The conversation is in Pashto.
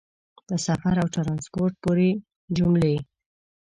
په سفر او ټرانسپورټ پورې جملې